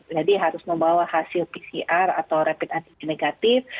jadi harus membawa hasil pcr atau rapid antigen negatif